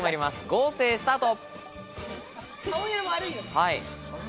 合成スタート！